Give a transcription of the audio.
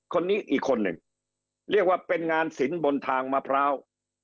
คนนี้อีกคนหนึ่งเรียกว่าเป็นงานสินบนทางมะพร้าว